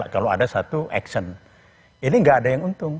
kalau ada satu action ini nggak ada yang untung